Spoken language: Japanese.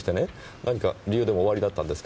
何か理由でもおありだったんですか？